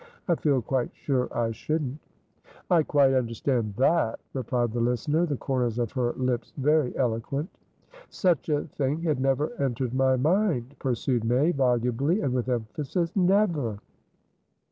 I feel quite sure I shouldn't." "I quite understand that," replied the listener, the corners of her lips very eloquent. "Such a thing had never entered my mind," pursued May, volubly and with emphasis. "Never!"